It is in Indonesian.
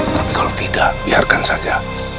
tapi kalau tidak biarkan saja